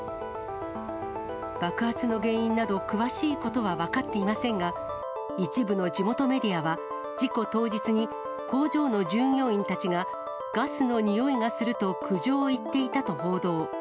爆発の原因など詳しいことは分かっていませんが、一部の地元メディアは、事故当日に工場の従業員たちが、ガスの臭いがすると苦情を言っていたと報道。